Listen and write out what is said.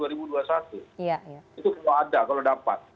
itu semua ada kalau dapat